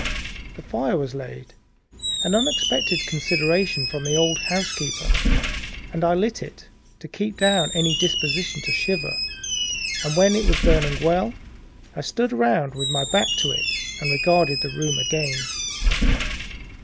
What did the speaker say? The fire was laid an unexpected consideration from the old housekeeper and I lit it, to keep down any disposition to shiver, and when it was burning well I stood round with my back to it and regarded the room again.